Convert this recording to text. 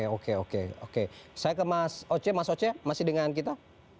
oke oke oke saya ke mas oce mas oce masih dengan kita